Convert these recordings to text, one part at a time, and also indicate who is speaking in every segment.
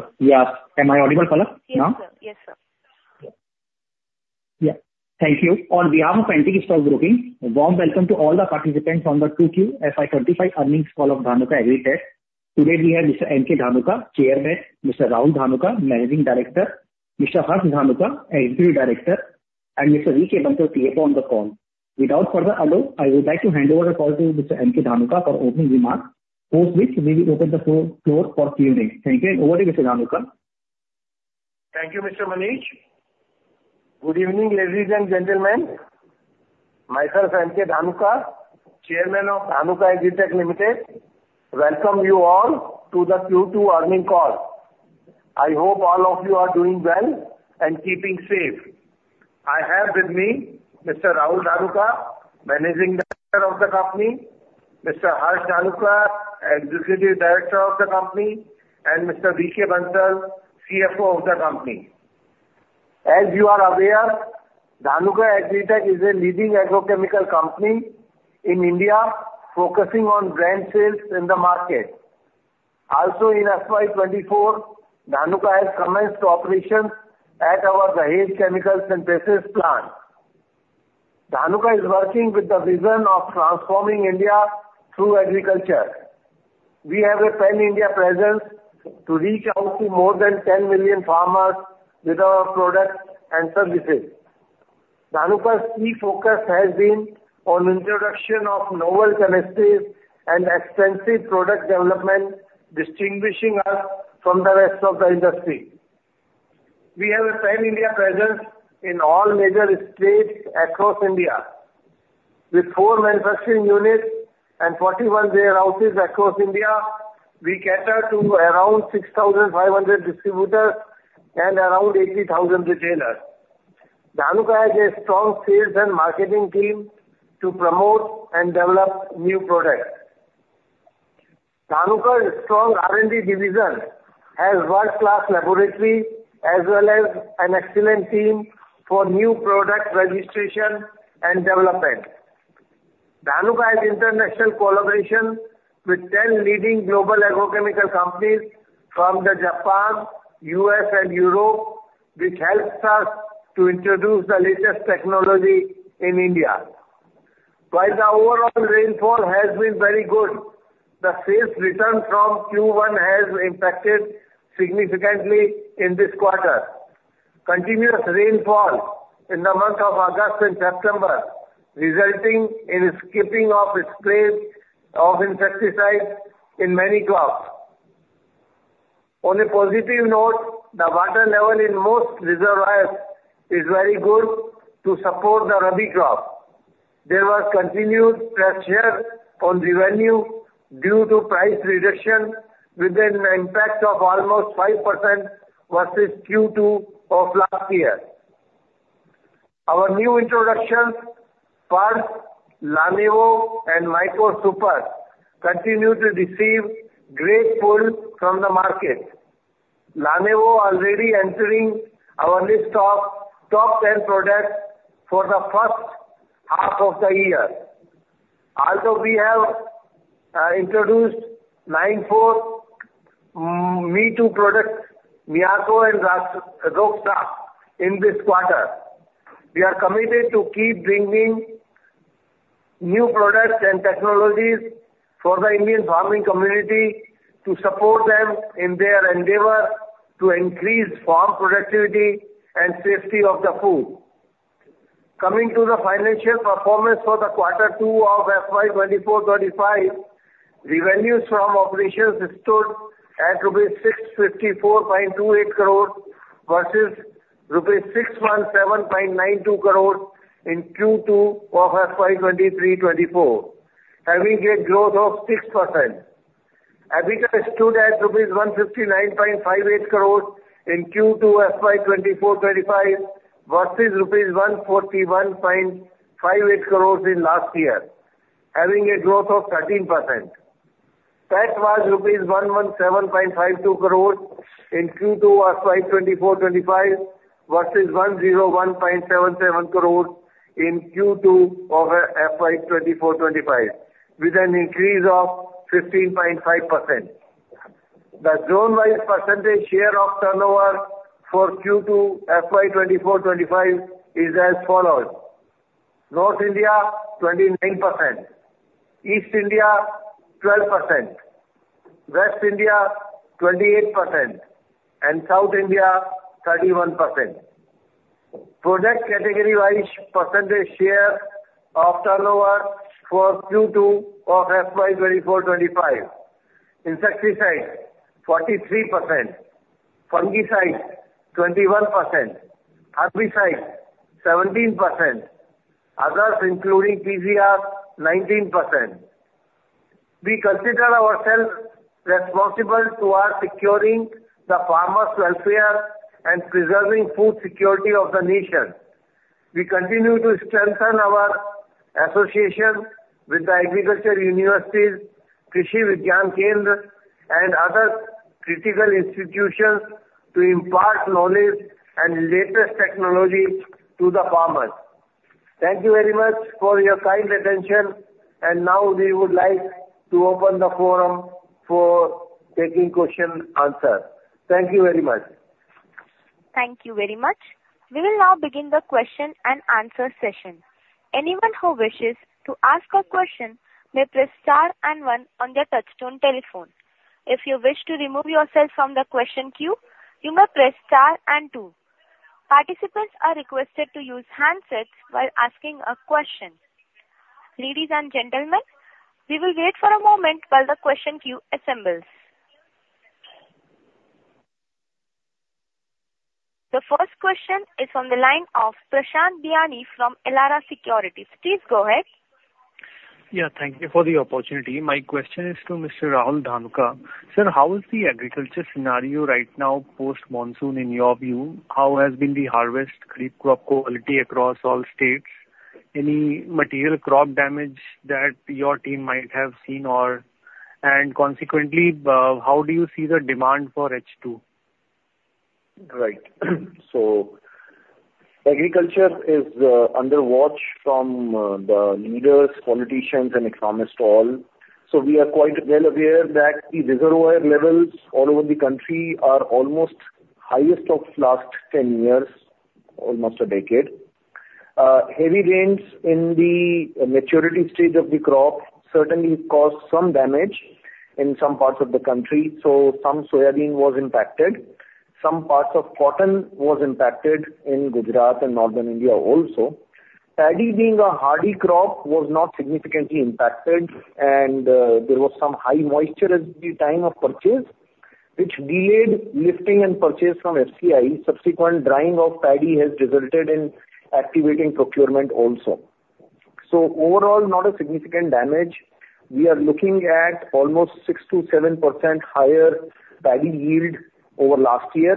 Speaker 1: Hello. Yeah. Am I audible? Hello?
Speaker 2: Yes, sir. Yes, sir.
Speaker 3: Yeah. Thank you. On behalf of Antique Stock Broking, a warm welcome to all the participants on the Q2 FY25 earnings call of Dhanuka Agritech. Today, we have Mr. M. K. Dhanuka, Chairman, Mr. Rahul Dhanuka, Managing Director, Mr. Harsh Dhanuka, Executive Director, and Mr. V. K. Bansal, CFO on the call. Without further ado, I would like to hand over the call to Mr. M. K. Dhanuka for opening remarks, after which we will open the floor for Q&A. Thank you. Over to Mr. Dhanuka.
Speaker 4: Thank you, Mr. Manish. Good evening, ladies and gentlemen. Myself, M. K. Dhanuka, Chairman of Dhanuka Agritech Limited, welcome you all to the Q2 earnings call. I hope all of you are doing well and keeping safe. I have with me Mr. Rahul Dhanuka, Managing Director of the company, Mr. Harsh Dhanuka, Executive Director of the company, and Mr. V. K. Bansal, CFO of the company. As you are aware, Dhanuka Agritech is a leading agrochemical company in India, focusing on brand sales in the market. Also, in FY24, Dhanuka has commenced operations at our Dahej chemical and pesticides plants. Dhanuka is working with the vision of transforming India through agriculture. We have a pan-India presence to reach out to more than 10 million farmers with our products and services. Dhanuka's key focus has been on the introduction of novel chemistries and extensive product development, distinguishing us from the rest of the industry. We have a pan-India presence in all major states across India. With four manufacturing units and 41 warehouses across India, we cater to around 6,500 distributors and around 80,000 retailers. Dhanuka has a strong sales and marketing team to promote and develop new products. Dhanuka's strong R&D division has world-class laboratory as well as an excellent team for new product registration and development. Dhanuka has international collaboration with 10 leading global agrochemical companies from Japan, the U.S., and Europe, which helps us to introduce the latest technology in India. While the overall rainfall has been very good, the sales return from Q1 has impacted significantly in this quarter. Continuous rainfall in the months of August and September resulted in the skipping of application of insecticides in many crops. On a positive note, the water level in most reservoirs is very good to support the Rabi crop. There was continued pressure on revenue due to price reduction with an impact of almost 5% versus Q2 of last year. Our new introductions, Purge, and MYCORe Super, continue to receive great pull from the market. LANEvo is already entering our list of top 10 products for the first half of the year. Although we have introduced 94 Me Too products, Miyako, and Roxas in this quarter, we are committed to keep bringing new products and technologies for the Indian farming community to support them in their endeavor to increase farm productivity and safety of the food. Coming to the financial performance for the quarter two of FY24-25, revenues from operations stood at rupees 654.28 crore versus rupees 617.92 crore in Q2 of FY23-24, having a growth of 6%. EBITDA stood at rupees 159.58 crore in Q2 FY24-25 versus rupees 141.58 crore in last year, having a growth of 13%. That was rupees 117.52 crore in Q2 FY24-25 versus 101.77 crore in Q2 of FY23-24, with an increase of 15.5%. The zone-wide percentage share of turnover for Q2 FY24-25 is as follows: North India 29%, East India 12%, West India 28%, and South India 31%. Product category-wise percentage share of turnover for Q2 of FY24-25: insecticides 43%, fungicides 21%, herbicides 17%, others including PGR 19%. We consider ourselves responsible to securing the farmers' welfare and preserving food security of the nation. We continue to strengthen our association with the agriculture universities, Krishi Vigyan Kendra, and other critical institutions to impart knowledge and latest technology to the farmers. Thank you very much for your kind attention, and now we would like to open the forum for taking questions and answers. Thank you very much.
Speaker 2: Thank you very much. We will now begin the question and answer session. Anyone who wishes to ask a question may press star and one on their touch-tone telephone. If you wish to remove yourself from the question queue, you may press star and two. Participants are requested to use handsets while asking a question. Ladies and gentlemen, we will wait for a moment while the question queue assembles. The first question is from the line of Prashant Biyani from Elara Securities. Please go ahead.
Speaker 5: Yeah, thank you for the opportunity. My question is to Mr. Rahul Dhanuka. Sir, how is the agriculture scenario right now post monsoon in your view? How has been the harvest, grape crop quality across all states? Any material crop damage that your team might have seen? And consequently, how do you see the demand for H2?
Speaker 1: Right. So agriculture is under watch from the leaders, politicians, and economists all. So we are quite well aware that the reservoir levels all over the country are almost the highest of the last 10 years, almost a decade. Heavy rains in the maturity stage of the crop certainly caused some damage in some parts of the country. So some soybean was impacted. Some parts of cotton were impacted in Gujarat and northern India also. Paddy, being a hardy crop, was not significantly impacted. And there was some high moisture at the time of purchase, which delayed lifting and purchase from FCI. Subsequent drying of paddy has resulted in activating procurement also. So overall, not a significant damage. We are looking at almost 6%-7% higher paddy yield over last year.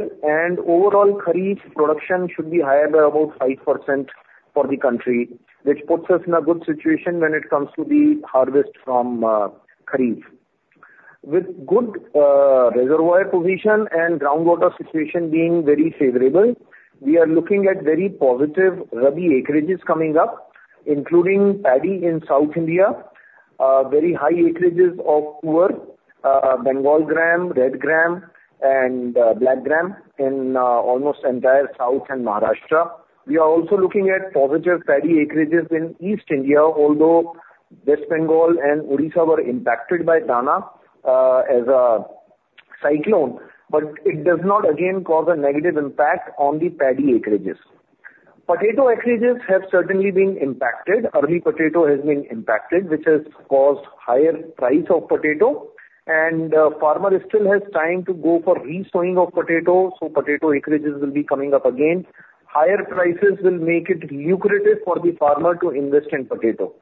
Speaker 1: Overall, Kharif production should be higher by about 5% for the country, which puts us in a good situation when it comes to the harvest from Kharif. With good reservoir position and groundwater situation being very favorable, we are looking at very positive Rabi acreages coming up, including paddy in South India, very high acreages of tur Bengal gram, red gram, and black gram in almost the entire South and Maharashtra. We are also looking at positive paddy acreages in East India, although West Bengal and Odisha were impacted by Cyclone Dana. It does not, again, cause a negative impact on the paddy acreages. Potato acreages have certainly been impacted. Early potato has been impacted, which has caused a higher price of potato. The farmer still has time to go for re-sowing of potato. Potato acreages will be coming up again. Higher prices will make it lucrative for the farmer to invest in potato.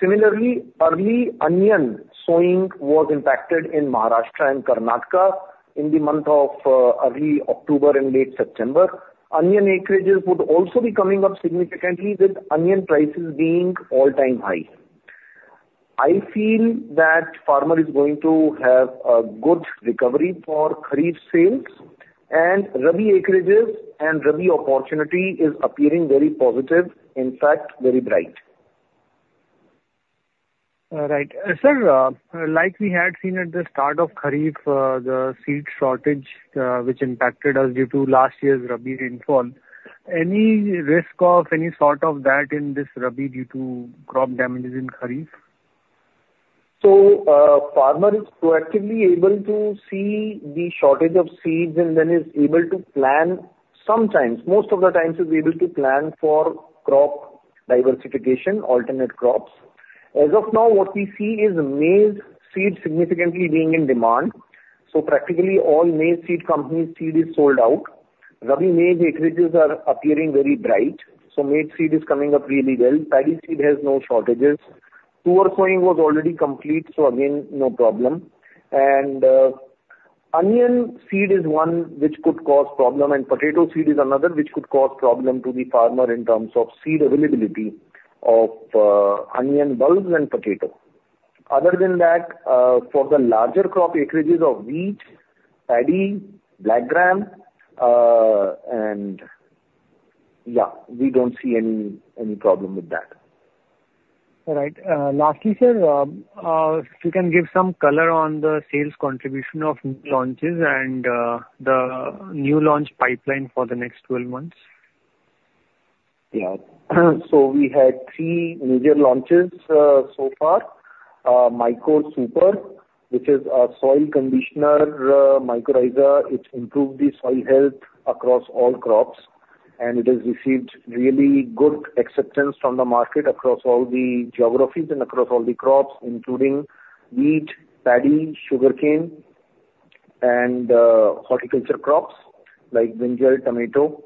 Speaker 1: Similarly, early onion sowing was impacted in Maharashtra and Karnataka in the month of early October and late September. Onion acreages would also be coming up significantly, with onion prices being all-time high. I feel that the farmer is going to have a good recovery for Kharif sales, and Rabi acreages and Rabi opportunity are appearing very positive, in fact, very bright.
Speaker 5: Right. Sir, like we had seen at the start of Kharif, the seed shortage, which impacted us due to last year's Rabi rainfall, any risk of any sort of that in this Rabi due to crop damages in Kharif?
Speaker 1: So the farmer is proactively able to see the shortage of seeds and then is able to plan sometimes, most of the time, to be able to plan for crop diversification, alternate crops. As of now, what we see is maize seed significantly being in demand. So practically all maize seed companies' seed is sold out. Rabi maize acreages are appearing very bright. So maize seed is coming up really well. Paddy seed has no shortages. Rabi sowing was already complete. So again, no problem. And onion seed is one which could cause a problem. And potato seed is another which could cause a problem to the farmer in terms of seed availability of onion bulbs and potato. Other than that, for the larger crop acreages of wheat, paddy, black gram, and yeah, we don't see any problem with that.
Speaker 5: Right. Lastly, sir, if you can give some color on the sales contribution of new launches and the new launch pipeline for the next 12 months?
Speaker 1: Yeah. So we had three major launches far. MYCORe Super, which is a soil conditioner mycorrhiza, it improved the soil health across all crops. And it has received really good acceptance from the market across all the geographies and across all the crops, including wheat, paddy, sugarcane, and horticulture crops like brinjal, tomato.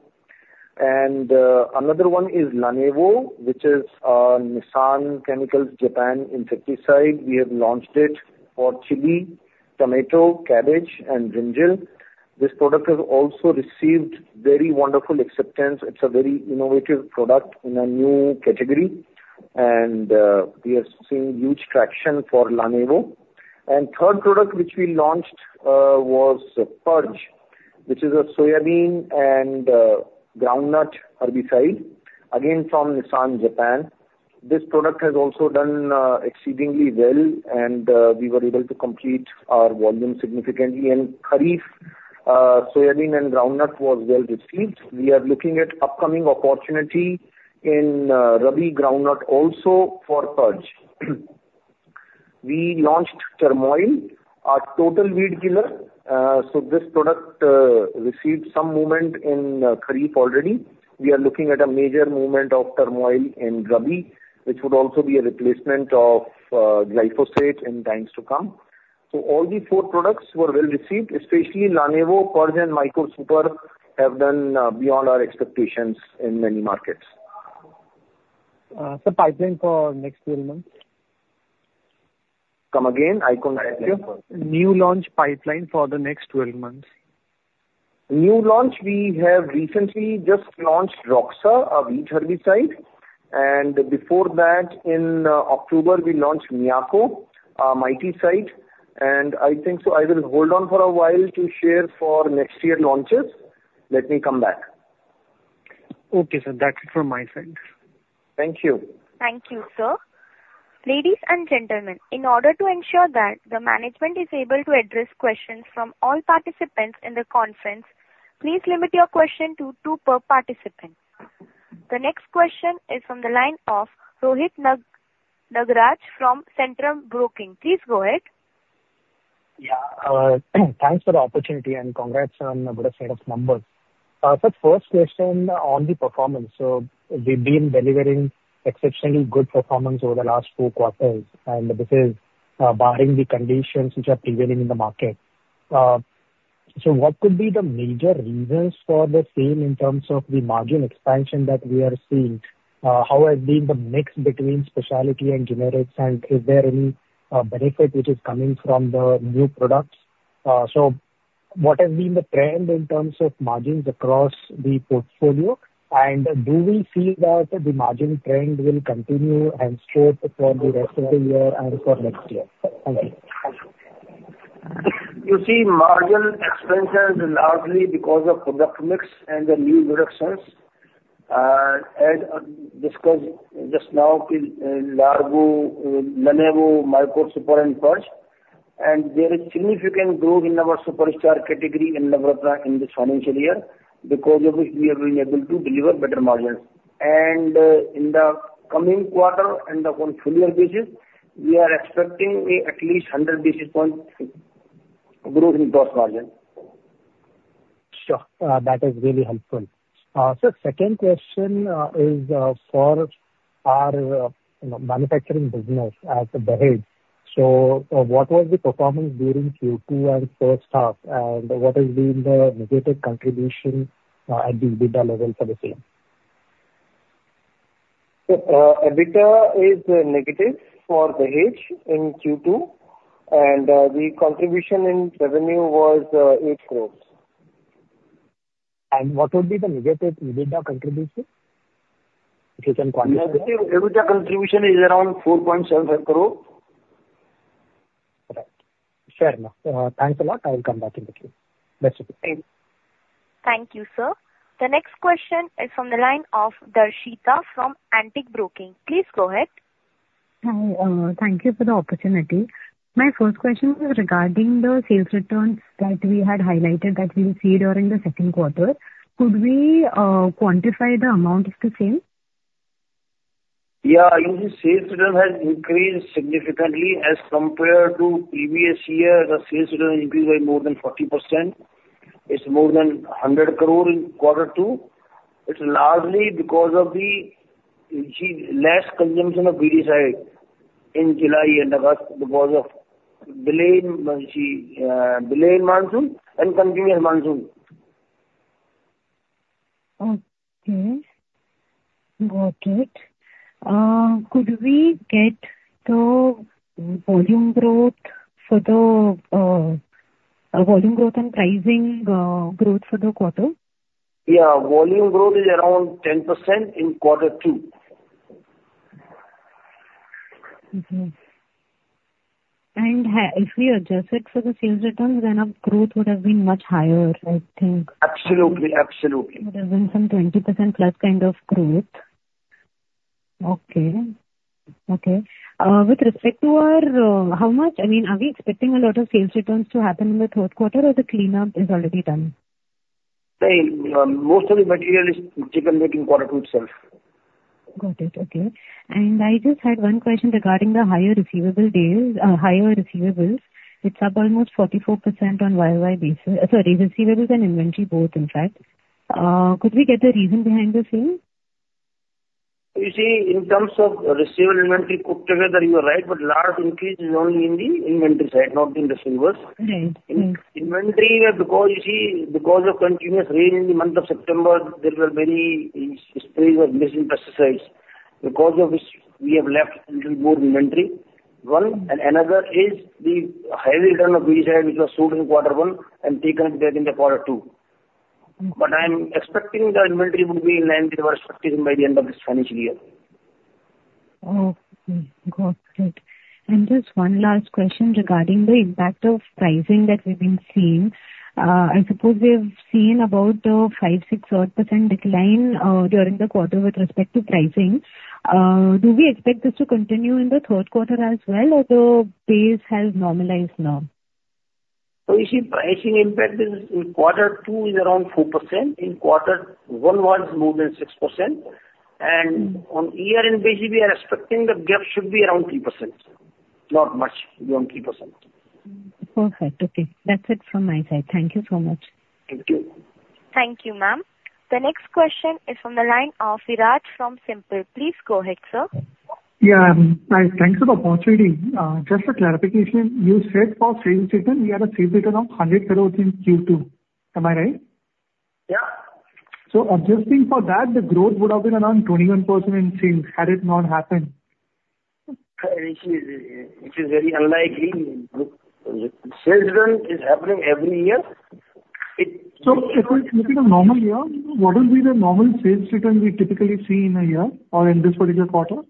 Speaker 1: And another one is LANEvo, which is Nissan Chemical Japan insecticide. We have launched it for chili, tomato, cabbage, and brinjal. This product has also received very wonderful acceptance. It's a very innovative product in a new category. And we have seen huge traction for LANEvo. And the third product which we launched was Purge, which is a soybean and groundnut herbicide, again from Nissan Japan. This product has also done exceedingly well. And we were able to complete our volume significantly. And Kharif soybean and groundnut was well received. We are looking at upcoming opportunity in Rabi groundnut also for Purge. We launched Terminal, our total weed killer. So this product received some movement in Kharif already. We are looking at a major movement of Terminal in Rabi, which would also be a replacement of glyphosate in times to come. So all these four products were well received, especially LANEvo, and MYCORe Super have done beyond our expectations in many markets.
Speaker 5: The pipeline for next 12 months?
Speaker 1: Come again? I couldn't hear you.
Speaker 5: New launch pipeline for the next 12 months?
Speaker 1: New launch, we have recently just launched Roxas, a wheat herbicide. Before that, in October, we launched Miyako, a miticide. I think so I will hold on for a while to share for next year's launches. Let me come back.
Speaker 5: Okay, sir. That's it from my side.
Speaker 1: Thank you.
Speaker 2: Thank you, sir. Ladies and gentlemen, in order to ensure that the management is able to address questions from all participants in the conference, please limit your question to two per participant. The next question is from the line of Rohit Nagaraj from Centrum Broking. Please go ahead.
Speaker 6: Yeah. Thanks for the opportunity and congrats on the set of numbers. So first question on the performance. So we've been delivering exceptionally good performance over the last four quarters. And this is barring the conditions which are prevailing in the market. So what could be the major reasons for the same in terms of the margin expansion that we are seeing? How has been the mix between specialty and generics? And is there any benefit which is coming from the new products? So what has been the trend in terms of margins across the portfolio? And do we see that the margin trend will continue and stay for the rest of the year and for next year? Thank you.
Speaker 1: You see, margins expanded largely because of product mix and the new launches. I discussed just now like MYCORe Super, and Purge. There is significant growth in our superstar category in this financial year because of which we have been able to deliver better margins. In the coming quarter and the full-year basis, we are expecting at least 100 basis points growth in gross margin.
Speaker 6: Sure. That is really helpful. So second question is for our manufacturing business at Dahej. So what was the performance during Q2 and first half? And what has been the negative contribution at the EBITDA level for the same?
Speaker 1: EBITDA is negative for Dahej in Q2, and the contribution in revenue was 8 crore.
Speaker 6: What would be the negative EBITDA contribution? If you can quantify it?
Speaker 1: Negative EBITDA contribution is around 4.75 crores.
Speaker 6: Right. Fair enough. Thanks a lot. I will come back in between. That's it.
Speaker 2: Thank you, sir. The next question is from the line of Darshita from Antique Broking. Please go ahead.
Speaker 3: Hi. Thank you for the opportunity. My first question is regarding the sales returns that we had highlighted that we will see during the second quarter. Could we quantify the amount of the same?
Speaker 1: Yeah. You see, sales return has increased significantly as compared to previous year. The sales return increased by more than 40%. It's more than 100 crore in quarter two. It's largely because of the less consumption of weedicide in July and August because of delayed monsoon and continuous monsoon.
Speaker 3: Okay. Got it. Could we get the volume growth and pricing growth for the quarter?
Speaker 1: Yeah. Volume growth is around 10% in quarter two.
Speaker 3: Okay, and if we adjust it for the sales returns, then our growth would have been much higher, I think.
Speaker 1: Absolutely. Absolutely.
Speaker 3: It would have been some 20% plus kind of growth. Okay. Okay. With respect to our how much I mean, are we expecting a lot of sales returns to happen in the third quarter, or the cleanup is already done?
Speaker 1: Most of the material is decommitted in quarter two itself.
Speaker 3: Got it. Okay. And I just had one question regarding the higher receivables. It's up almost 44% on YoY basis. Sorry, receivables and inventory both, in fact. Could we get the reason behind the same?
Speaker 1: You see, in terms of receivables and inventory put together, you are right. But large increase is only in the inventory side, not in receivables.
Speaker 3: Right.
Speaker 1: Inventory, because you see, because of continuous rain in the month of September, there were many sprays of missing pesticides. Because of which we have left a little more inventory. One. And another is the heavy return of weedicide, which was sold in quarter one and decommitted in the quarter two. But I'm expecting the inventory will be in line with our expectation by the end of this financial year.
Speaker 3: Okay. Got it. And just one last question regarding the impact of pricing that we've been seeing. I suppose we have seen about a 5%, 6% decline during the quarter with respect to pricing. Do we expect this to continue in the third quarter as well, or the pace has normalized now?
Speaker 1: So you see, pricing impact in quarter two is around 4%. In quarter one was more than 6%. And on year-end basis, we are expecting the gap should be around 3%. Not much. Beyond 3%.
Speaker 3: Perfect. Okay. That's it from my side. Thank you so much.
Speaker 1: Thank you.
Speaker 2: Thank you, ma'am. The next question is from the line of Viraj from SiMPL. Please go ahead, sir.
Speaker 7: Yeah. Thanks for the opportunity. Just a clarification. You said for sales return, we had a sales return of 100 crore in Q2. Am I right?
Speaker 1: Yeah.
Speaker 7: So adjusting for that, the growth would have been around 21% in sales. Had it not happened?
Speaker 1: It is very unlikely. Sales return is happening every year.
Speaker 7: So if it's a normal year, what would be the normal sales return we typically see in a year or in this particular quarter?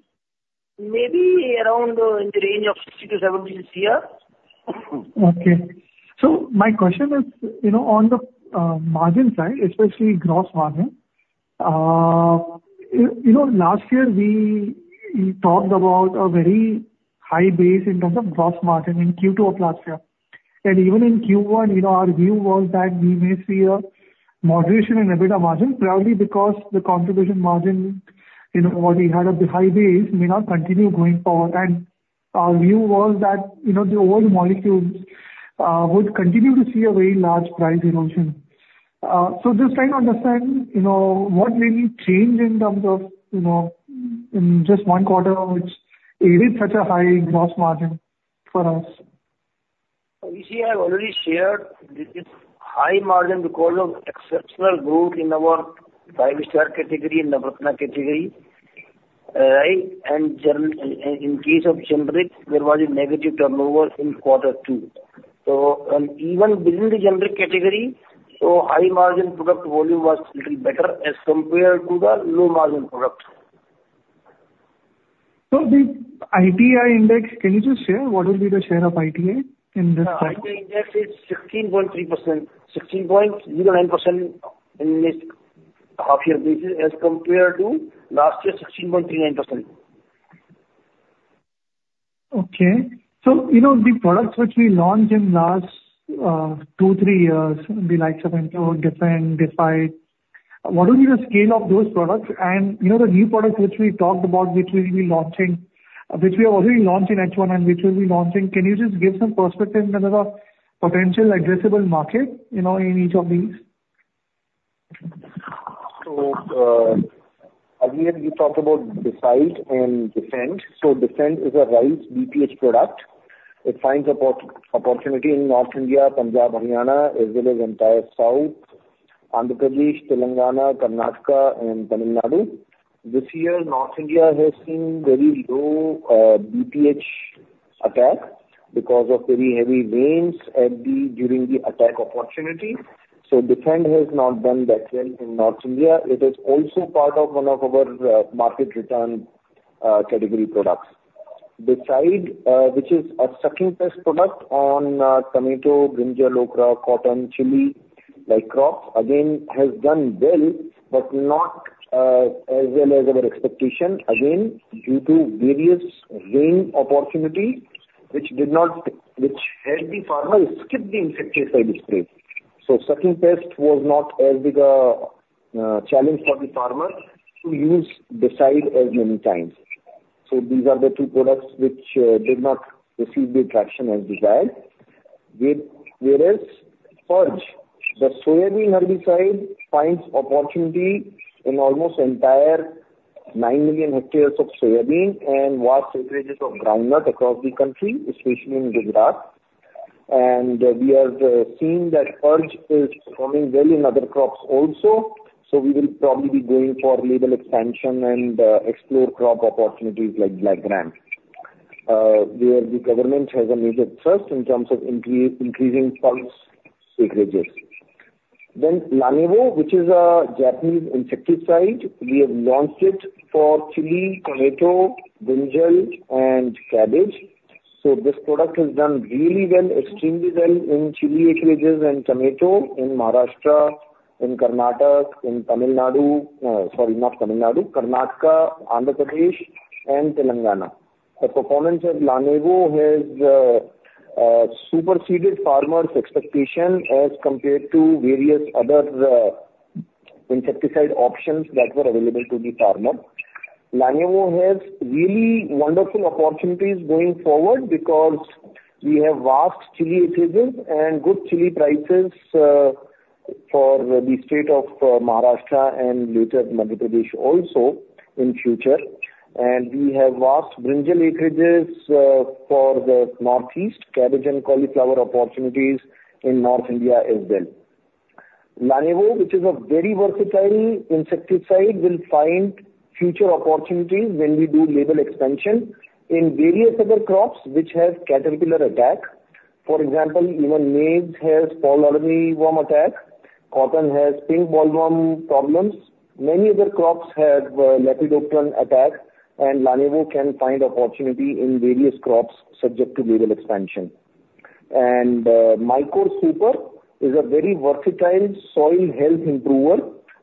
Speaker 1: Maybe around in the range of 60 to 70 this year.
Speaker 7: Okay. So my question is, on the margin side, especially gross margin, last year we talked about a very high base in terms of gross margin in Q2 of last year. And even in Q1, our view was that we may see a moderation in EBITDA margin, probably because the contribution margin, what we had at the high base, may not continue going forward. And our view was that the old molecules would continue to see a very large price erosion. So just trying to understand what really changed in terms of just one quarter which added such a high gross margin for us.
Speaker 1: You see, I already shared this high margin because of exceptional growth in our five-star category, Navratna category. Right? And in case of generic, there was a negative turnover in quarter two. So even within the generic category, so high margin product volume was a little better as compared to the low margin product.
Speaker 7: The ITI index, can you just share what would be the share of ITI in this quarter?
Speaker 1: ITI Index is 16.3%. 16.09% in this half-year basis as compared to last year's 16.39%.
Speaker 7: Okay. So the products which we launched in last two, three years, the likes of Incar
Speaker 1: Again, you talked about Decide and Defend. Defend is a rice BPH product. It finds opportunity in North India, Punjab, Haryana, as well as entire South, Andhra Pradesh, Telangana, Karnataka, and Tamil Nadu. This year, North India has seen very low BPH attack because of very heavy rains during the attack opportunity. Defend has not done that well in North India. It is also part of one of our market return category products. Decide, which is a sucking pest product on tomato, brinjal, okra, cotton, chili-like crops, again, has done well, but not as well as our expectation. Again, due to various rain opportunities, which helped the farmer skip the insecticide spray. Sucking pest was not as big a challenge for the farmer to use Decide as many times. These are the two products which did not receive the traction as desired. Whereas Purge, the soybean herbicide, finds opportunity in almost the entire nine million hectares of soybean and vast acreages of groundnut across the country, especially in Gujarat, and we are seeing that Purge is performing well in other crops also, so we will probably be going for label expansion and explore crop opportunities like black gram, where the government has a major thrust in terms of increasing Purge acreages. Lanevo, which is a Japanese insecticide, we have launched it for chili, tomato, brinjal, and cabbage, so this product has done really well, extremely well, in chili acreages and tomato in Maharashtra, in Karnataka, in Tamil Nadu, sorry, not Tamil Nadu, Karnataka, Andhra Pradesh, and Telangana. The performance of LANEvo has superseded farmers' expectation as compared to various other insecticide options that were available to the farmer. LANEvo has really wonderful opportunities going forward because we have vast chili acreages and good chili prices for the state of Maharashtra and later Madhya Pradesh also in future. And we have vast brinjal acreages for the northeast, cabbage and cauliflower opportunities in North India as well. LANEvo, which is a very versatile insecticide, will find future opportunities when we do label expansion in various other crops which have caterpillar attack. For example, even maize has fall armyworm attack. Cotton has pink bollworm problems. Many other crops have lepidopteran attack. And LANEvo can find opportunity in various crops subject to label expansion. MYCORe Super is a very versatile soil health improver.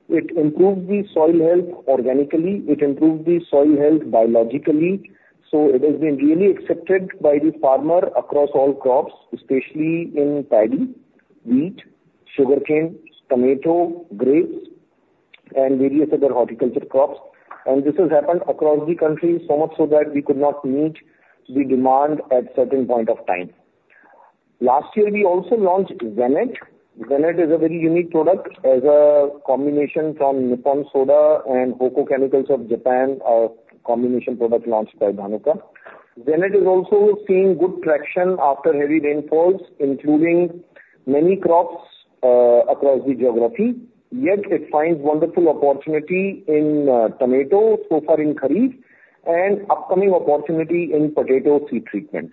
Speaker 1: It improves the soil health organically. It improves the soil health biologically. So it has been really accepted by the farmer across all crops, especially in paddy, wheat, sugarcane, tomato, grapes, and various other horticulture crops. This has happened across the country so much so that we could not meet the demand at a certain point of time. Last year, we also launched Zanet. Zanet is a very unique product as a combination from Nippon Soda and Hokko Chemicals of Japan, a combination product launched by Dhanuka. Zanet is also seeing good traction after heavy rainfalls, including many crops across the geography. Yet it finds wonderful opportunity in tomato so far in Kharif and upcoming opportunity in potato seed treatment.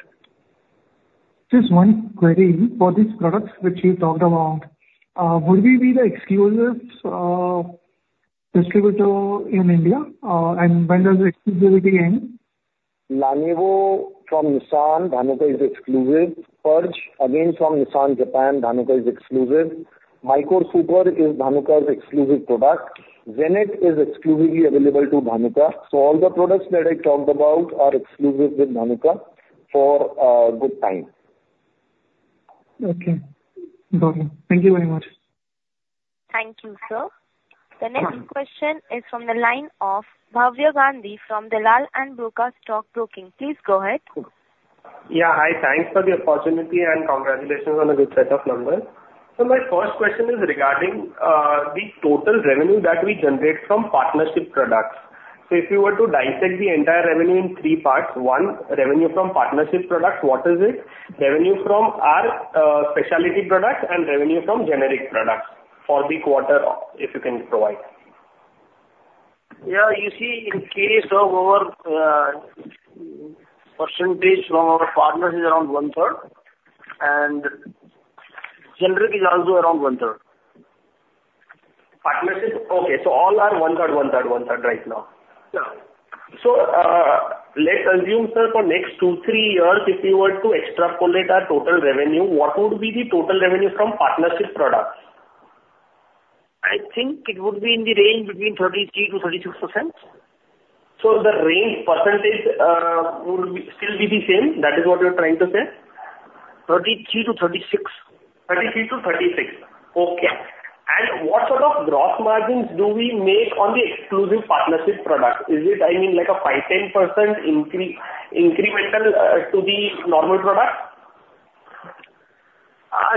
Speaker 7: Just one query. For these products which you talked about, would we be the exclusive distributor in India? And when does exclusivity end?
Speaker 1: LANEvo from Nissan, Dhanuka is exclusive. Purge, again, from Nissan, Japan, Dhanuka is exclusive. MYCORe Super is Dhanuka's exclusive product. Zanet is exclusively available to Dhanuka. So all the products that I talked about are exclusive with Dhanuka for a good time.
Speaker 7: Okay. Got it. Thank you very much.
Speaker 2: Thank you, sir. The next question is from the line of Bhavya Gandhi from Dalal & Broacha Stock Broking. Please go ahead.
Speaker 8: Yeah. Hi. Thanks for the opportunity and congratulations on a good set of numbers. So my first question is regarding the total revenue that we generate from partnership products. So if you were to dissect the entire revenue in three parts, one, revenue from partnership products, what is it? Revenue from our specialty products and revenue from generic products for the quarter, if you can provide.
Speaker 1: Yeah. You see, in case of our percentage from our partners is around one-third, and generic is also around one-third.
Speaker 8: Partnership? Okay. So all are one-third, one-third, one-third right now.
Speaker 1: Yeah.
Speaker 8: So let's assume, sir, for next two, three years, if you were to extrapolate our total revenue, what would be the total revenue from partnership products?
Speaker 1: I think it would be in the range between 33% to 36%.
Speaker 8: So the range percentage would still be the same? That is what you're trying to say?
Speaker 1: 33 to 36.
Speaker 8: 33 to 36. Okay. And what sort of gross margins do we make on the exclusive partnership product? Is it, I mean, like a 5%-10% incremental to the normal product?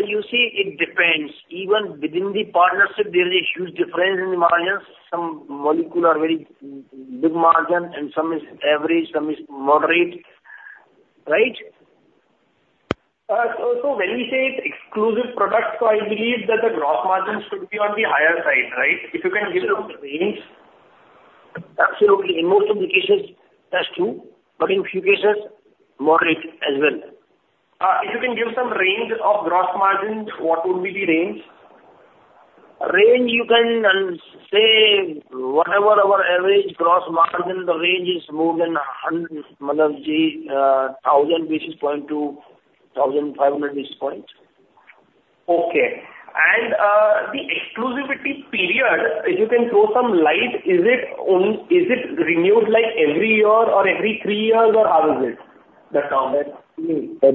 Speaker 1: You see, it depends. Even within the partnership, there is a huge difference in the margins. Some molecules are very big margin and some is average, some is moderate. Right?
Speaker 8: When we say exclusive products, so I believe that the gross margins should be on the higher side, right? If you can give some range.
Speaker 1: Absolutely. In most of the cases, that's true. But in a few cases, moderate as well.
Speaker 8: If you can give some range of gross margins, what would be the range?
Speaker 1: Range, you can say whatever our average gross margin. The range is more than 1,000-1,500 basis points.
Speaker 8: Okay. And the exclusivity period, if you can throw some light, is it renewed like every year or every three years or how is it?
Speaker 1: At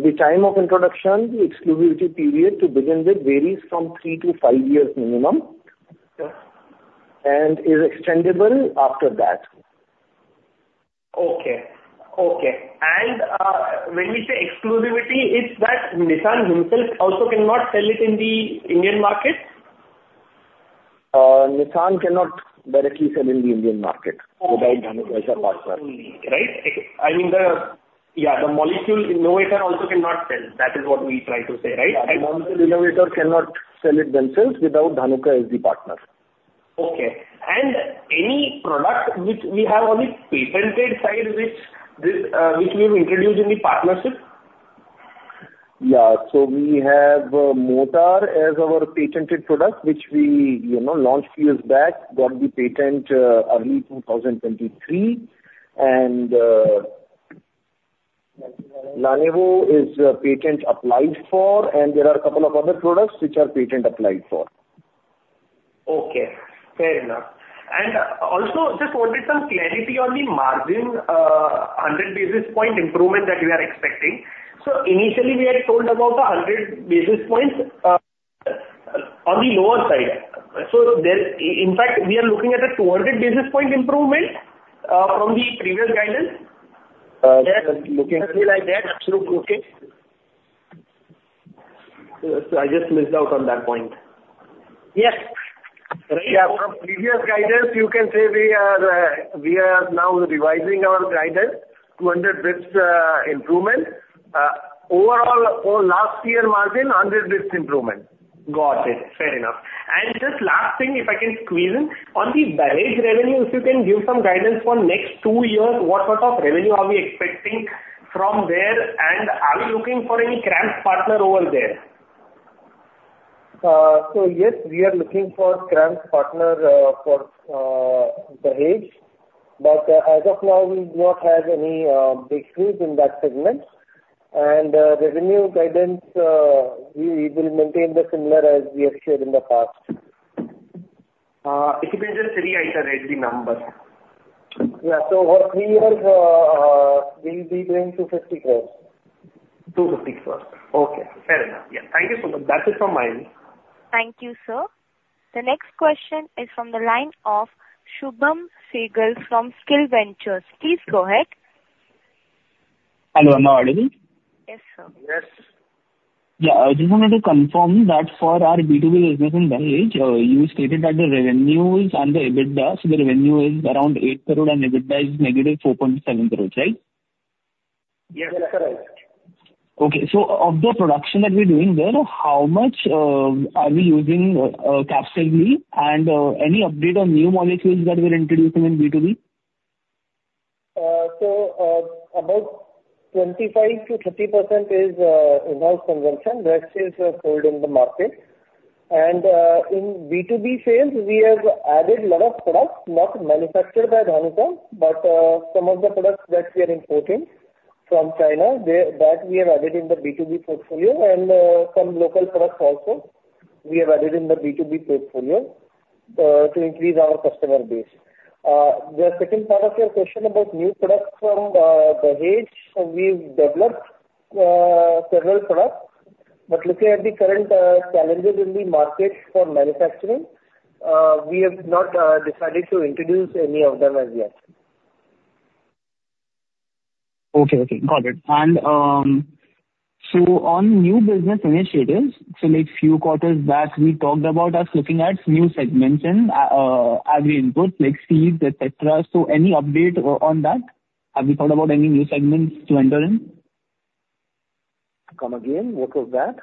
Speaker 1: the time of introduction, the exclusivity period to begin with varies from three to five years minimum and is extendable after that.
Speaker 8: Okay. Okay. And when we say exclusivity, it's that Nissan himself also cannot sell it in the Indian market?
Speaker 1: Nissan cannot directly sell in the Indian market without Dhanuka as a partner.
Speaker 8: Right? I mean, yeah, the molecule innovator also cannot sell. That is what we try to say, right?
Speaker 1: The molecule innovator cannot sell it themselves without Dhanuka as the partner.
Speaker 8: Okay, and any product which we have on the patented side which we have introduced in the partnership?
Speaker 1: Yeah. So we have Mortar as our patented product, which we launched years back, got the patent early 2023. And LANEvo is patent applied for, and there are a couple of other products which are patent applied for.
Speaker 8: Okay. Fair enough. And also, just for some clarity on the margin, 100 basis point improvement that we are expecting. So initially, we had told about the 100 basis points on the lower side. So in fact, we are looking at a 200 basis point improvement from the previous guidance?
Speaker 1: Just looking.
Speaker 8: Something like that? Absolutely. Okay.
Speaker 1: So I just missed out on that point.
Speaker 8: Yes. Right?
Speaker 1: Yeah. From previous guidance, you can say we are now revising our guidance, 200 basis points improvement. Overall, last year margin, 100 basis points improvement.
Speaker 8: Got it. Fair enough. And just last thing, if I can squeeze in, on the Dahej revenue, if you can give some guidance for next two years, what sort of revenue are we expecting from there? And are we looking for any CRAMS partner over there?
Speaker 1: So yes, we are looking for CRAMS partner for Dahej. But as of now, we do not have any big group in that segment. And revenue guidance, we will maintain the similar as we have shared in the past.
Speaker 8: If you can just reiterate the numbers.
Speaker 1: Yeah, so over three years, we'll be doing 250 crore.
Speaker 8: 250 crore. Okay. Fair enough. Yeah. Thank you so much. That's it from my end.
Speaker 2: Thank you, sir. The next question is from the line of Shubham Sehgal from Scale Ventures. Please go ahead.
Speaker 9: Hello. Am I audible.
Speaker 2: Yes, sir.
Speaker 1: Yes.
Speaker 9: Yeah. I just wanted to confirm that for our B2B business in Dahej, you stated that the revenue is under EBITDA. So the revenue is around 8 crore and EBITDA is negative 4.7 crores, right?
Speaker 1: Yes. Yes. Correct.
Speaker 9: Okay. Of the production that we're doing there, how much are we using captive? And any update on new molecules that we're introducing in B2B?
Speaker 1: So about 25%-30% is in-house consumption. That is sold in the market. And in B2B sales, we have added a lot of products, not manufactured by Dhanuka, but some of the products that we are importing from China, that we have added in the B2B portfolio. And some local products also we have added in the B2B portfolio to increase our customer base. The second part of your question about new products from Dahej, we've developed several products. But looking at the current challenges in the market for manufacturing, we have not decided to introduce any of them as yet.
Speaker 9: Okay. Got it. And so on new business initiatives, so like few quarters back, we talked about us looking at new segments in agri input like seeds, etc. So any update on that? Have we thought about any new segments to enter in?
Speaker 1: Come again. What was that?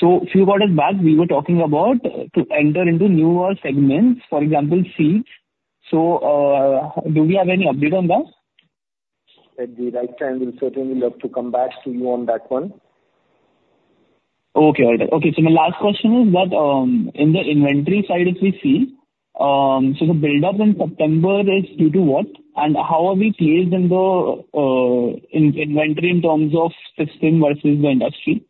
Speaker 9: So a few quarters back, we were talking about to enter into newer segments, for example, seeds. So do we have any update on that?
Speaker 1: At the right time, we'll certainly love to come back to you on that one.
Speaker 9: So my last question is that in the inventory side, if we see, so the build-up in September is due to what? And how are we placed in the inventory in terms of system versus the industry?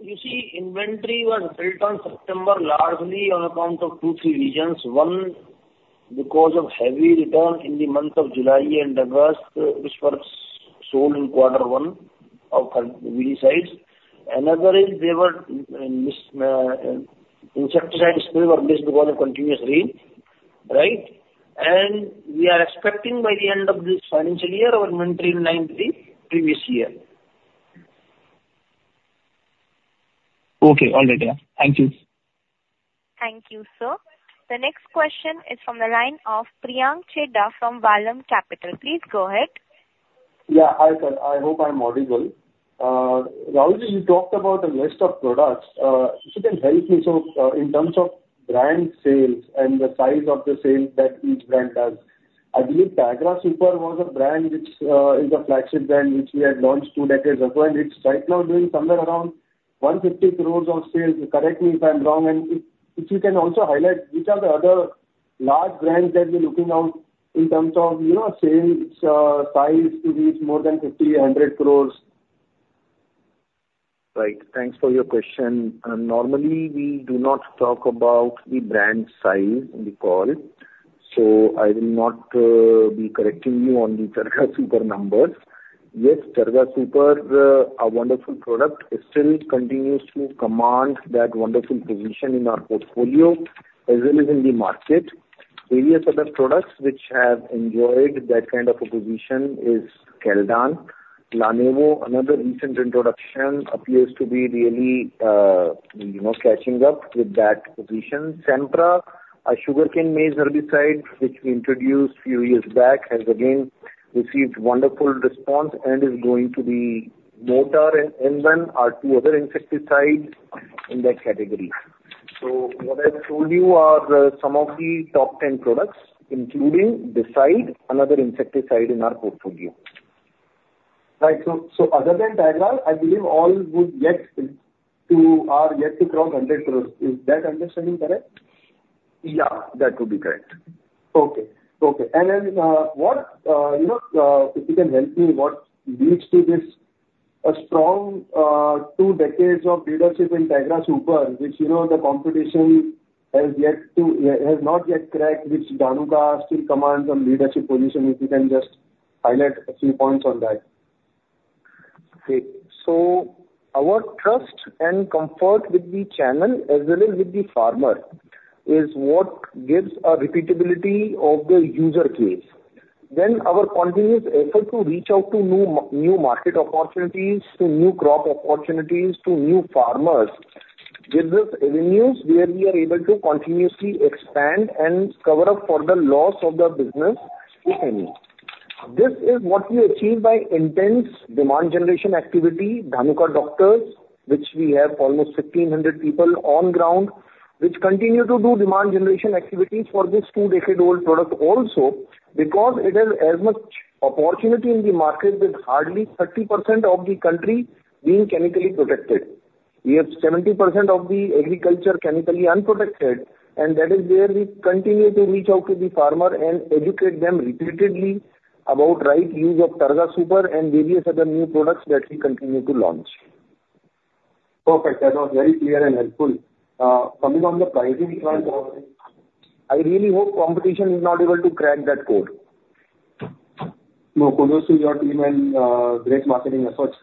Speaker 1: You see, inventory was built in September largely on account of two, three reasons. One, because of heavy rains in the month of July and August, which were sold in quarter one of these sides. Another is, insecticide sales were missed because of continuous rain, right? And we are expecting by the end of this financial year our inventory line to be previous year.
Speaker 9: Okay. All right. Yeah. Thank you.
Speaker 2: Thank you, sir. The next question is from the line of Priyank Chheda from Vallum Capital. Please go ahead.
Speaker 10: Yeah. Hi, sir. I hope I'm audible. Rahul Ji, you talked about a list of products. If you can help me, so in terms of brand sales and the size of the sales that each brand does, I believe Targa Super was a brand which is a flagship brand which we had launched two decades ago, and it's right now doing somewhere around 150 crores of sales. Correct me if I'm wrong. And if you can also highlight, which are the other large brands that we're looking out in terms of sales size to reach more than 50, 100 crores?
Speaker 1: Right. Thanks for your question. Normally, we do not talk about the brand size in the call. So I will not be correcting you on the Targa Super numbers. Yes, Targa Super, a wonderful product, still continues to command that wonderful position in our portfolio as well as in the market. Various other products which have enjoyed that kind of a position is Caldan. LANEvo, another recent introduction, appears to be really catching up with that position. Sempra, a sugarcane maize herbicide which we introduced a few years back, has again received wonderful response and is going to be Mortar and Nuvan, our two other insecticides in that category. So what I've told you are some of the top 10 products, including Decide, another insecticide in our portfolio.
Speaker 10: Right. So other than Targa, I believe all would yet to cross 100 crores. Is that understanding correct?
Speaker 1: Yeah. That would be correct.
Speaker 10: If you can help me, what leads to this strong two decades of leadership in Targa Super, which the competition has not yet cracked, which Dhanuka still commands a leadership position? If you can just highlight a few points on that.
Speaker 1: Okay. So our trust and comfort with the channel as well as with the farmer is what gives a repeatability of the use case. Then our continuous effort to reach out to new market opportunities, to new crop opportunities, to new farmers gives us avenues where we are able to continuously expand and cover up for the loss of the business, if any. This is what we achieve by intense demand generation activity, Dhanuka Doctors, which we have almost 1,500 people on ground, which continue to do demand generation activities for this two-decade-old product also because it has as much opportunity in the market with hardly 30% of the country being chemically protected. We have 70% of the agriculture chemically unprotected, and that is where we continue to reach out to the farmer and educate them repeatedly about right use of Targa Super and various other new products that we continue to launch.
Speaker 10: Perfect. That was very clear and helpful. Coming on the pricing front, I really hope competition is not able to crack that code.
Speaker 1: No, kudos to your team and great marketing efforts.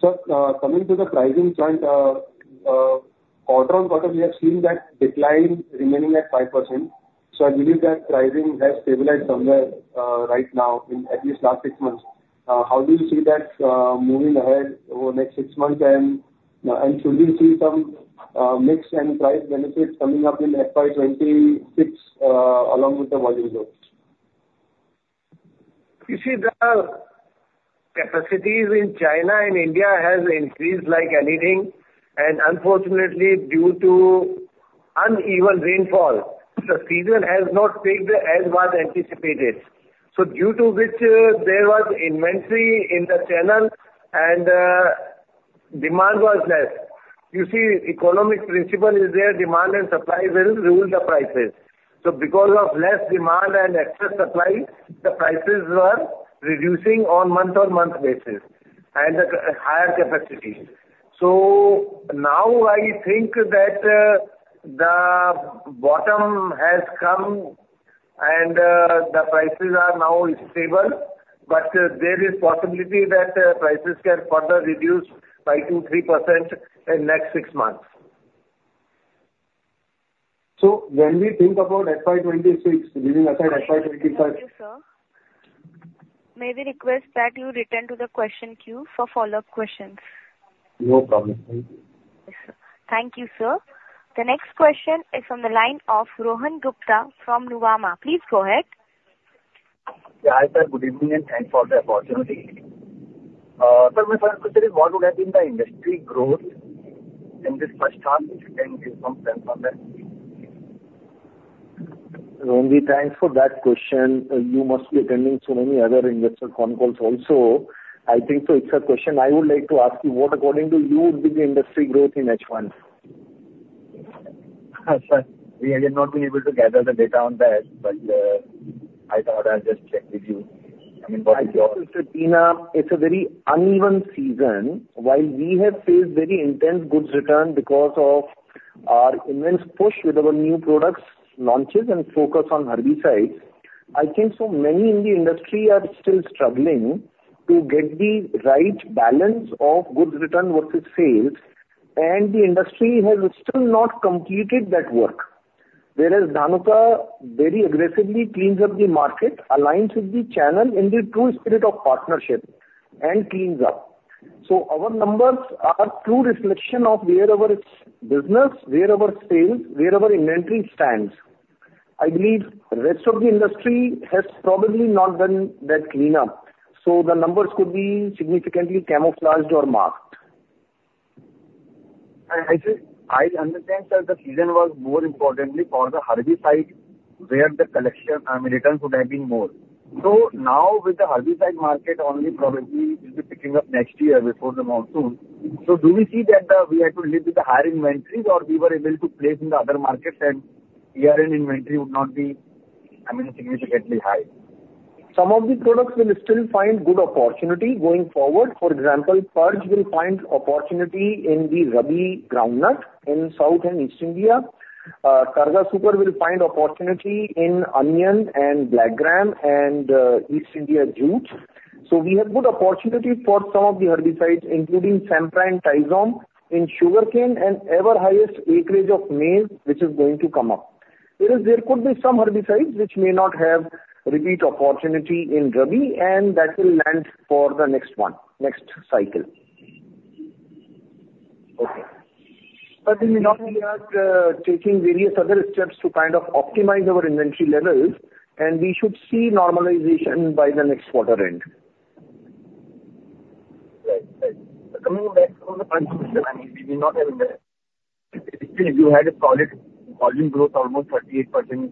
Speaker 1: Sir, coming to the pricing front, quarter on quarter, we have seen that decline remaining at 5%. So I believe that pricing has stabilized somewhere right now in at least last six months. How do you see that moving ahead over the next six months, and should we see some mix and price benefits coming up in FY 2026 along with the volume growth? You see, the capacities in China and India have increased like anything, and unfortunately, due to uneven rainfall, the season has not picked as was anticipated, so due to which there was inventory in the channel and demand was less. You see, economic principle is there. Demand and supply will rule the prices, so because of less demand and excess supply, the prices were reducing on month-on-month basis and higher capacity. So now I think that the bottom has come and the prices are now stable. But there is possibility that prices can further reduce by 2-3% in the next six months. So when we think about FY 26, leaving aside FY 25.
Speaker 2: Thank you, sir. May we request that you return to the question queue for follow-up questions?
Speaker 1: No problem. Thank you.
Speaker 2: Thank you, sir. The next question is from the line of Rohan Gupta from Nuvama. Please go ahead.
Speaker 11: Yeah. Hi, sir. Good evening and thanks for the opportunity. Sir, my first question is, what would have been the industry growth in this first half, second, and from then on?
Speaker 1: Rohan, thanks for that question. You must be attending so many other investor phone calls also. I think so. It's a question I would like to ask you. What, according to you, would be the industry growth in H1?
Speaker 11: Sir, we have not been able to gather the data on that, but I thought I'll just check with you. I mean, what is your?
Speaker 1: I think, Mr. Rohan, it's a very uneven season. While we have faced very intense goods return because of our immense push with our new products launches and focus on herbicides, I think so many in the industry are still struggling to get the right balance of goods return versus sales, and the industry has still not completed that work. Whereas Dhanuka very aggressively cleans up the market, aligns with the channel in the true spirit of partnership, and cleans up, so our numbers are true reflection of wherever it's business, wherever sales, wherever inventory stands. I believe the rest of the industry has probably not done that cleanup, so the numbers could be significantly camouflaged or masked.
Speaker 11: I understand, sir, the season was more importantly for the herbicide where the collection returns would have been more. So now with the herbicide market only probably will be picking up next year before the monsoon. So do we see that we had to live with the higher inventories or we were able to place in the other markets and year-end inventory would not be, I mean, significantly high?
Speaker 1: Some of these products will still find good opportunity going forward. For example, Purge will find opportunity in the Rabi groundnut in South and East India. Targa Super will find opportunity in onion and black gram and East India jute. So we have good opportunity for some of the herbicides, including Sempra and Tizon in sugarcane and ever-highest acreage of maize, which is going to come up. There could be some herbicides which may not have repeat opportunity in Rabi, and that will land for the next cycle.
Speaker 11: Okay.
Speaker 1: But we may not be taking various other steps to kind of optimize our inventory levels, and we should see normalization by the next quarter end.
Speaker 11: Right. Right. Coming back to the question, I mean, we may not have invested. If you had a solid volume growth, almost 38%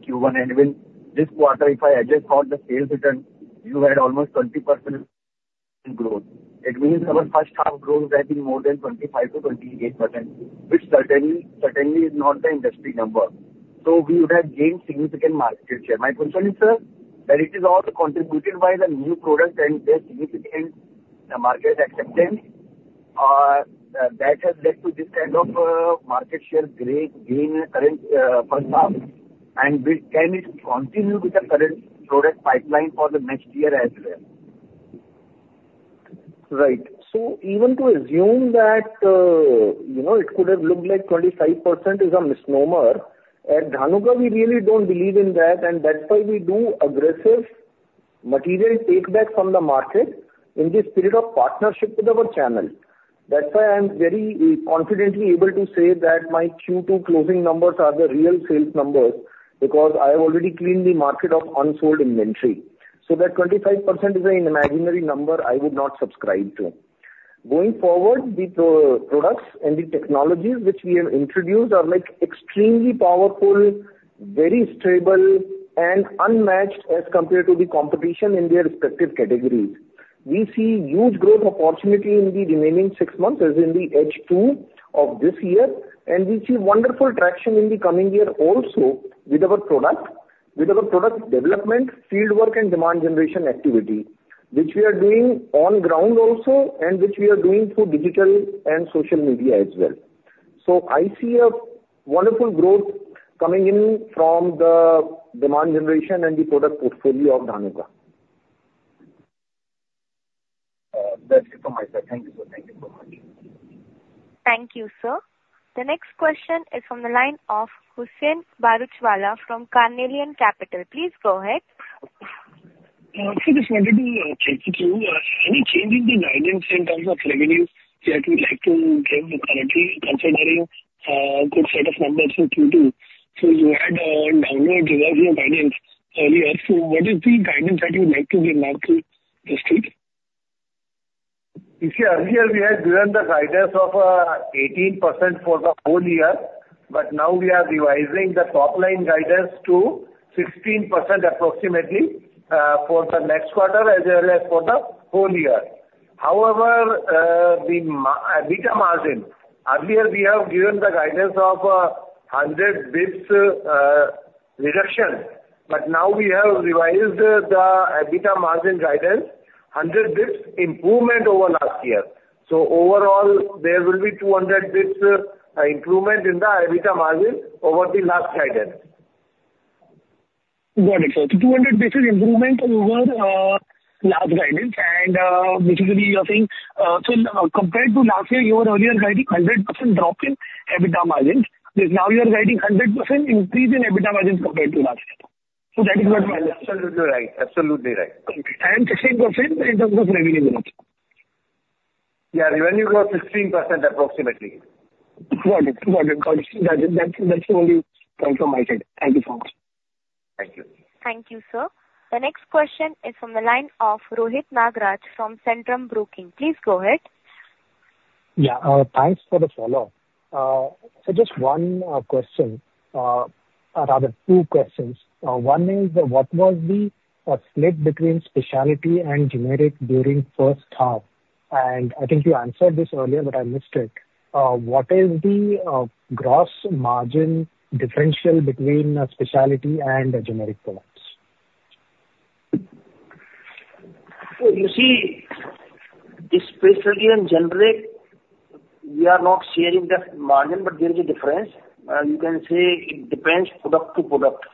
Speaker 11: Q1, and when this quarter, if I adjust for the sales return, you had almost 20% growth. It means our first half growth would have been more than 25%-28%, which certainly is not the industry number. So we would have gained significant market share. My concern is, sir, that it is all contributed by the new product and the significant market acceptance that has led to this kind of market share gain in the current first half. And can it continue with the current product pipeline for the next year as well?
Speaker 1: Right. So even to assume that it could have looked like 25% is a misnomer, at Dhanuka, we really don't believe in that. And that's why we do aggressive material take-back from the market in the spirit of partnership with our channel. That's why I'm very confidently able to say that my Q2 closing numbers are the real sales numbers because I have already cleaned the market of unsold inventory. So that 25% is an imaginary number I would not subscribe to. Going forward, the products and the technologies which we have introduced are extremely powerful, very stable, and unmatched as compared to the competition in their respective categories. We see huge growth opportunity in the remaining six months as in the H2 of this year, and we see wonderful traction in the coming year also with our product development, fieldwork, and demand generation activity, which we are doing on ground also and which we are doing through digital and social media as well. So I see a wonderful growth coming in from the demand generation and the product portfolio of Dhanuka.
Speaker 11: That's it from my side. Thank you, sir. Thank you so much.
Speaker 2: Thank you, sir. The next question is from the line of Hussain Bharuchwala from Carnelian Capital. Please go ahead.
Speaker 12: Thank you, Mr. Chheda. Any change in the guidance in terms of revenues that we'd like to give currently, considering a good set of numbers in Q2? So you had downgraded your guidance earlier. So what is the guidance that you would like to maintain this week?
Speaker 1: This year, we had given the guidance of 18% for the whole year, but now we are revising the top-line guidance to 16% approximately for the next quarter as well as for the whole year. However, the EBITDA margin, earlier we have given the guidance of 100 basis points reduction, but now we have revised the EBITDA margin guidance, 100 basis points improvement over last year. So overall, there will be 200 basis points improvement in the EBITDA margin over the last guidance.
Speaker 12: Wonderful. So 200 basis points improvement over last guidance. And basically, you are saying, sir, compared to last year, you were earlier guiding 100% drop in EBITDA margin, now you are guiding 100% increase in EBITDA margin compared to last year. So that is what we understand.
Speaker 1: Absolutely right. Absolutely right.
Speaker 12: 16% in terms of revenue growth.
Speaker 1: Yeah. Revenue growth 16% approximately.
Speaker 12: Got it. Got it. Got it. That's the only point from my side. Thank you so much.
Speaker 1: Thank you.
Speaker 2: Thank you, sir. The next question is from the line of Rohit Nagaraj from Centrum Broking. Please go ahead.
Speaker 6: Yeah. Thanks for the follow-up. So just one question, rather two questions. One is, what was the split between specialty and generic during first half? And I think you answered this earlier, but I missed it. What is the gross margin differential between specialty and generic products?
Speaker 1: So you see, especially in generic, we are not sharing the margin, but there is a difference. You can say it depends product to product,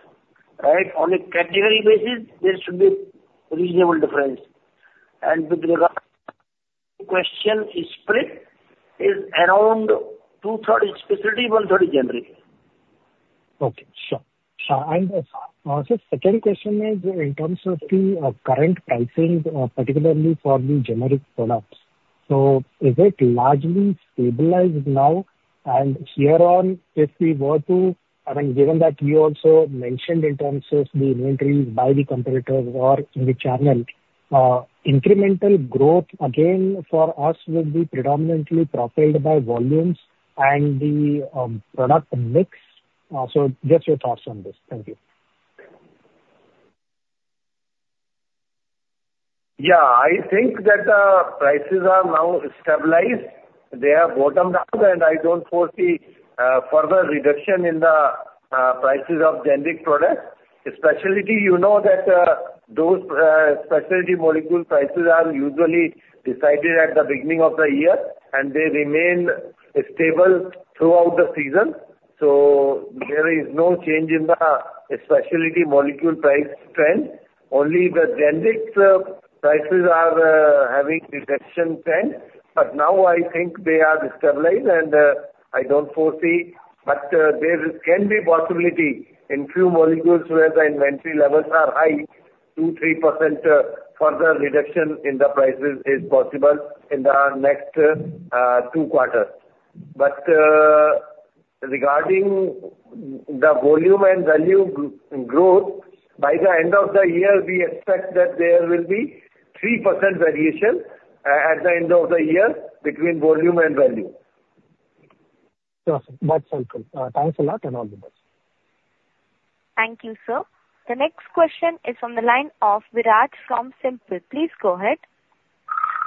Speaker 1: right? On a category basis, there should be a reasonable difference. And with regard to the question, the split is around two-thirds specialty, one-third generic.
Speaker 6: Okay. Sure. And sir, second question is in terms of the current pricing, particularly for the generic products. So is it largely stabilized now? And here on, if we were to, I mean, given that you also mentioned in terms of the inventories by the competitors or in the channel, incremental growth again for us will be predominantly propelled by volumes and the product mix. So just your thoughts on this. Thank you.
Speaker 1: Yeah. I think that the prices are now stabilized. They are bottomed out, and I don't foresee further reduction in the prices of generic products. Specialty, you know that those specialty molecule prices are usually decided at the beginning of the year, and they remain stable throughout the season. So there is no change in the specialty molecule price trend. Only the generic prices are having a reduction trend. But now I think they are stabilized, and I don't foresee, but there can be a possibility in few molecules where the inventory levels are high, 2%-3% further reduction in the prices is possible in the next two quarters. But regarding the volume and value growth, by the end of the year, we expect that there will be 3% variation at the end of the year between volume and value.
Speaker 6: Perfect. That's helpful. Thanks a lot and all the best.
Speaker 2: Thank you, sir. The next question is from the line of Viraj from SiMPL. Please go ahead.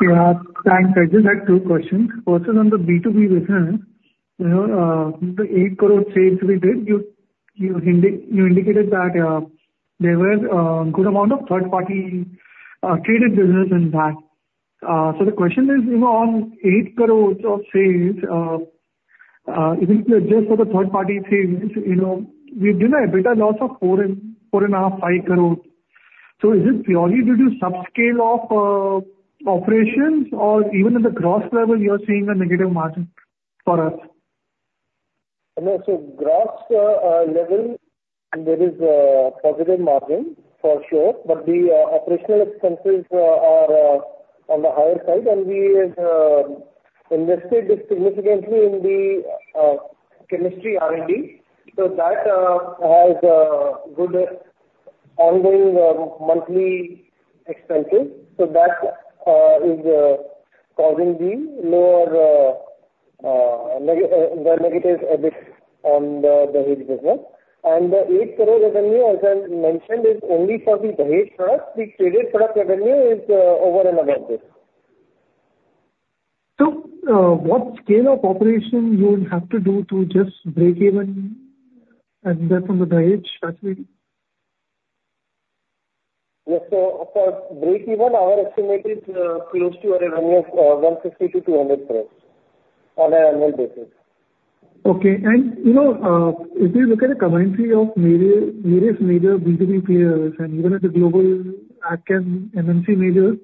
Speaker 7: Yeah. Thanks. I just had two questions. First is on the B2B business. The 8 crore sales we did, you indicated that there was a good amount of third-party traded business in that. So the question is, on 8 crores of sales, even if you adjust for the third-party sales, we've done a net loss of 4.5 crore-5 crore. So is it purely due to subscale of operations, or even at the gross level, you're seeing a negative margin for us?
Speaker 1: So, gross level, there is a positive margin for sure, but the operational expenses are on the higher side, and we have invested significantly in the chemistry R&D. So that has good ongoing monthly expenses. So that is causing the lower negative effects on the heat business. And the 8 crore revenue, as I mentioned, is only for the heat products. The traded product revenue is over and above this.
Speaker 7: So what scale of operation you would have to do to just break even and get from the wheat specialty?
Speaker 1: Yes. For breakeven, our estimate is close to a revenue of 150 crore-200 crore on an annual basis.
Speaker 7: Okay. And if you look at the commentary of various major B2B players, and even at the global agchem MNC major,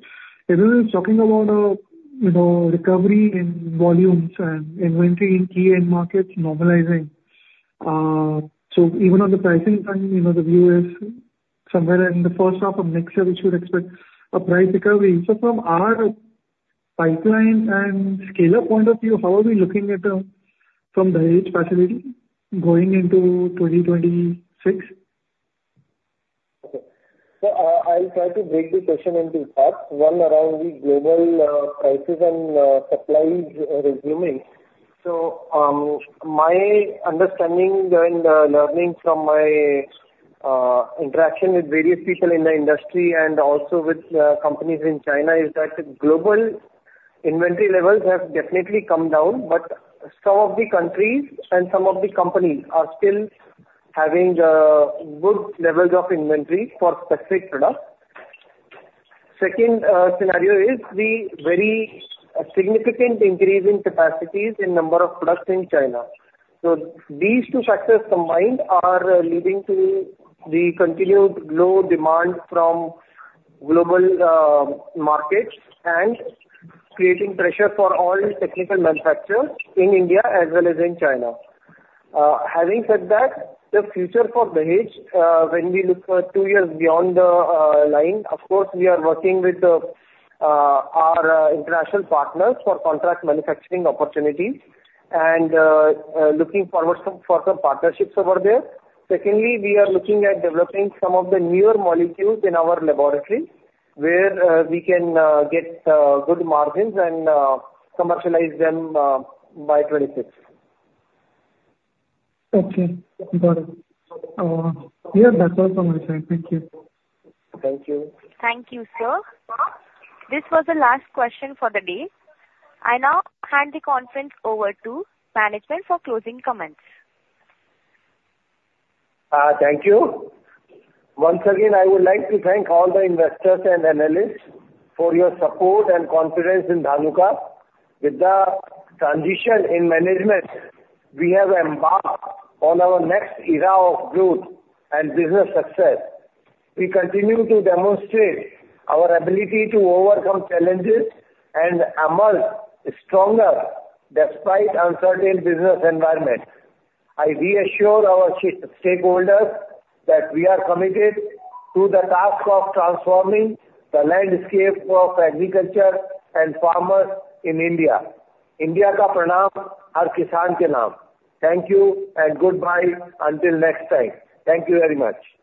Speaker 7: everyone is talking about a recovery in volumes and inventory in key end markets normalizing. So even on the pricing side, the view is somewhere in the first half of next year, we should expect a price recovery. So from our pipeline and scale-up point of view, how are we looking at the Dahej facility going into 2026?
Speaker 1: Okay. So I'll try to break the question into parts, one around the global prices and supplies resuming. So my understanding and learning from my interaction with various people in the industry and also with companies in China is that global inventory levels have definitely come down, but some of the countries and some of the companies are still having good levels of inventory for specific products. Second scenario is the very significant increase in capacities and number of products in China. So these two factors combined are leading to the continued low demand from global markets and creating pressure for all technical manufacturers in India as well as in China. Having said that, the future for the trade, when we look two years down the line, of course, we are working with our international partners for contract manufacturing opportunities and looking forward for some partnerships over there. Secondly, we are looking at developing some of the newer molecules in our laboratory where we can get good margins and commercialize them by 2026.
Speaker 7: Okay. Got it. Yeah. That's all from my side. Thank you.
Speaker 1: Thank you.
Speaker 2: Thank you, sir. This was the last question for the day. I now hand the conference over to management for closing comments.
Speaker 1: Thank you. Once again, I would like to thank all the investors and analysts for your support and confidence in Dhanuka. With the transition in management, we have embarked on our next era of growth and business success. We continue to demonstrate our ability to overcome challenges and emerge stronger despite uncertain business environment. I reassure our stakeholders that we are committed to the task of transforming the landscape of agriculture and farmers in India. India Ka Pranam Har Kisan Ke Naam. Thank you and goodbye until next time. Thank you very much.